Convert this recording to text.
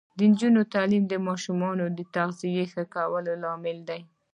د نجونو تعلیم د ماشومانو تغذیه ښه کولو لامل دی.